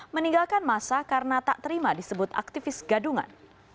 meninggalkan masa karena tak terima disebut aktivis gadungan